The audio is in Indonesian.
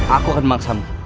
aku akan memaksamu